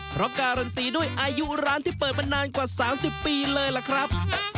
เพราะการันตีด้วยอายุร้านที่เปิดมานานกว่า๓๐ปีเลยล่ะครับ